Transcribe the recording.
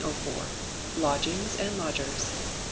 1504. Lodgings and Lodgers.